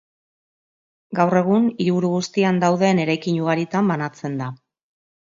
Gaur egun hiriburu guztian dauden eraikin ugaritan banatzen da.